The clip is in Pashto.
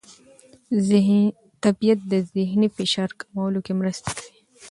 طبیعت د ذهني فشار کمولو کې مرسته کوي.